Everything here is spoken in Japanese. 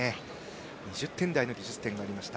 ２０点台の技術点もありました。